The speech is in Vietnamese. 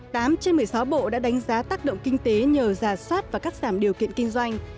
tám trên một mươi sáu bộ đã đánh giá tác động kinh tế nhờ giả soát và cắt giảm điều kiện kinh doanh